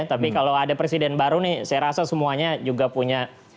tapi kalau ada presiden baru nih saya rasa semuanya juga punya